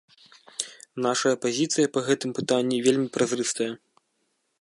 Нашая пазіцыя па гэтым пытанні вельмі празрыстая.